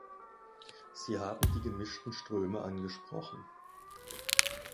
Sie haben die gemischten Ströme angesprochen.